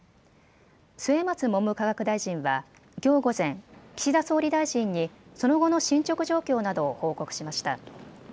末松文部科学大臣はきょう午前岸田総理大臣にその後の進捗状況などを報告しました。